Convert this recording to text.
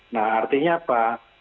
nah artinya apa